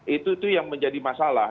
itu yang menjadi masalah